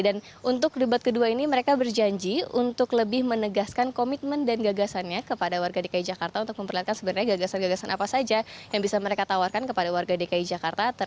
dan untuk debat kedua ini mereka berjanji untuk lebih menegaskan komitmen dan gagasannya kepada warga dki jakarta untuk memperlihatkan sebenarnya gagasan gagasan apa saja yang bisa mereka tawarkan kepada warga dki jakarta